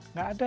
nggak ada yang